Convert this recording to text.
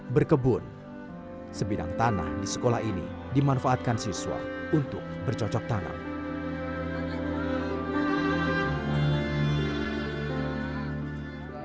berkebun sebidang tanah di sekolah ini dimanfaatkan siswa untuk bercocok tanam